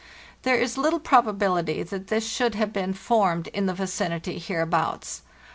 There is little proba bility that this should have been formed in the vicinity hereabouts.